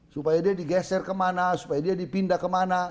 supaya dia digeser kemana supaya dia dipindah kemana